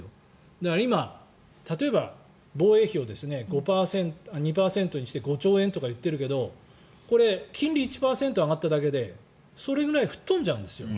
だから今、例えば防衛費を２％にして５兆円とか言っているけどこれ金利１％上がっただけでそれくらい吹っ飛んじゃうんですよ。